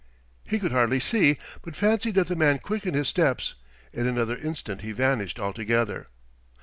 He could hardly see, but fancied that the man quickened his steps: in another instant he vanished altogether.